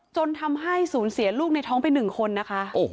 จนทำให้สูญเสียลูกในท้องไป๑คนนะคะ